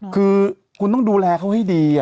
คือคุณต้องดูแลเขาให้ดี